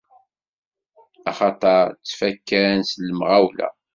Axaṭer ttfakkan s lemɣawla.